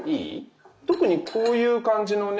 特にこういう感じのね